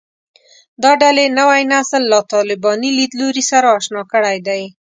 دا ډلې نوی نسل له طالباني لیدلوري سره اشنا کړی دی